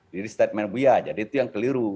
jadi statement buya jadi itu yang keliru